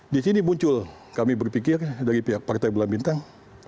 di sini muncul kami berpikir dari pihak partai bulan bintang